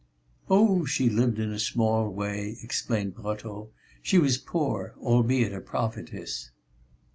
"Oh! she lived in a small way," explained Brotteaux, "she was poor, albeit a prophetess."